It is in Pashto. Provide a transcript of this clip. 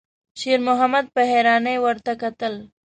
شېرمحمد په حيرانۍ ورته کتل.